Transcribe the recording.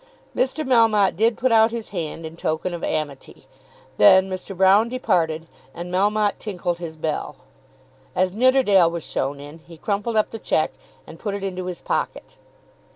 Mr. Melmotte did put out his hand in token of amity. Then Mr. Broune departed and Melmotte tinkled his bell. As Nidderdale was shown in he crumpled up the cheque, and put it into his pocket.